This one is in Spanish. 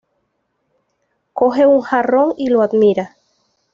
Coge un jarrón y lo admira.